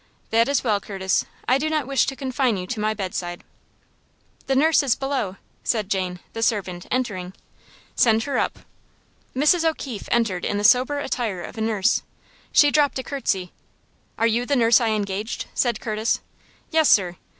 "That is well, Curtis. I do not wish to confine you to my bedside." "The nurse is below," said Jane, the servant, entering. "Send her up." Mrs. O'Keefe entered in the sober attire of a nurse. She dropped a curtsey. "Are you the nurse I engaged?" said Curtis. "Yes, sir."